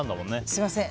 すみません。